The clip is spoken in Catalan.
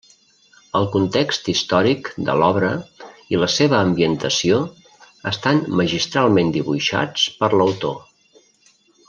El context històric de l'obra i la seva ambientació estan magistralment dibuixats per l'autor.